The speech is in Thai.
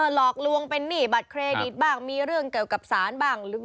หลอกลวงเป็นหนี้บัตรเครดิตบ้างมีเรื่องเกี่ยวกับสารบ้าง